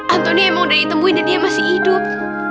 antoni emang udah ditemuin dan dia masih hidup